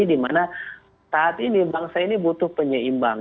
dimana saat ini bangsa ini butuh penyeimbang